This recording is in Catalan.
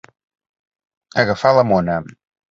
Agafar la mona.